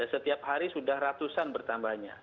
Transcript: setiap hari sudah ratusan bertambahnya